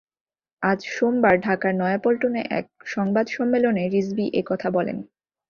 আজ সোমবার ঢাকার নয়াপল্টনে এক সংবাদ সম্মেলনে রিজভী এ কথা বলেন।